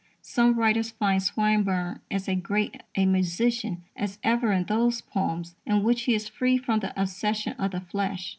Some writers find Swinburne as great a magician as ever in those poems in which he is free from the obsession of the flesh.